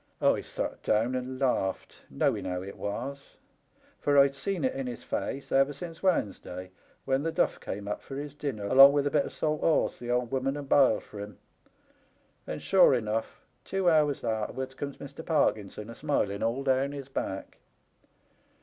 I sot down and laughed, knowing how it was, for I'd seen it in his face ever since Wednesday, when the duflf came up for his dinner, along with a bit of salt horse the old woman had biled for him ; and, sure enough, two hours arterwards comes Mr. Parkinson, a smiling all down his back.